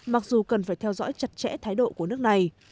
mặc dù cần phải theo dõi chặt chẽ thái độ của nước này